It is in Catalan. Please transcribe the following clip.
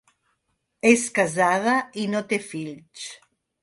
És casada i no té fills.